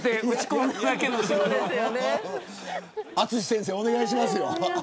淳先生、お願いしますよ。